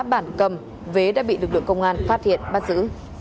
bản cầm vế đã bị lực lượng công an phát hiện bắt giữ